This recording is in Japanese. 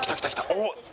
おっ！